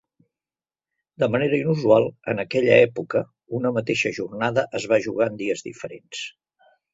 De manera inusual en aquella època, una mateixa jornada es va jugar en dies diferents.